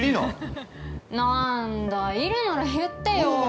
◆なんだ、いるなら言ってよ。